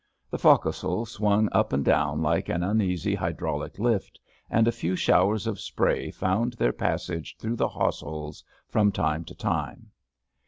The fo'c'sle swung up and down like an uneasy hydraulic lift, and a few showers of spray found their passage through the hawseholes from time to time.